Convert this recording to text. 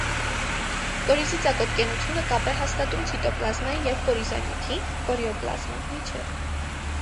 Կորիզի ծակոտկենությունը կապ է հաստատում ցիտոպլազմայի և կորիզանյութի (կարիոպլազմա) միջև։